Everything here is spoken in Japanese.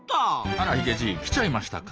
あらヒゲじい来ちゃいましたか。